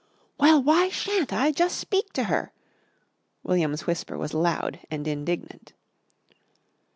"Well, why sha'n't I jus' speak to her?" William's whisper was loud and indignant.